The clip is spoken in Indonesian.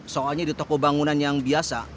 soalnya di toko bangunan yang biasa